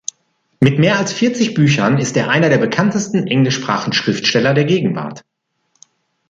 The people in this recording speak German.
Mit mehr als vierzig Büchern ist er einer der bekanntesten englischsprachigen Schriftsteller der Gegenwart.